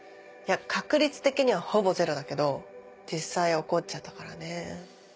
確率的にはほぼゼロだけど実際起こっちゃったからね。